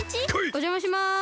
おじゃまします。